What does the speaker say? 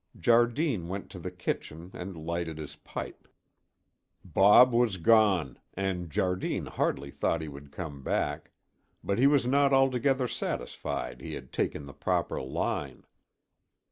Jardine went to the kitchen and lighted his pipe. Bob was gone, and Jardine hardly thought he would come back, but he was not altogether satisfied he had taken the proper line.